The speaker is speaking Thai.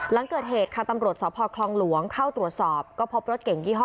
หลังเกิดเหตุค่ะตำรวจสพคลองหลวงเข้าตรวจสอบก็พบรถเก่งยี่ห้อ